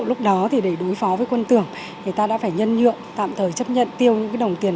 lúc đó thì để đối phó với quân tưởng người ta đã phải nhân nhượng tạm thời chấp nhận tiêu những đồng tiền